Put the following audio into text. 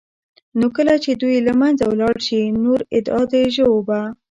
نو كله چي دوى له منځه ولاړ شي نور انواع د ژوو به